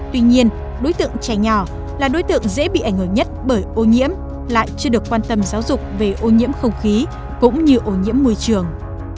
tuy nhiên đối tượng trẻ nhỏ là đối tượng dễ bị ảnh hưởng nhất bởi ô nhiễm lại chưa được quan tâm giáo dục về ô nhiễm không khí cũng như ô nhiễm môi trường